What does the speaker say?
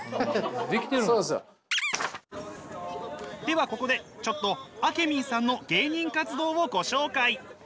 ではここでちょっとあけみんさんの芸人活動をご紹介！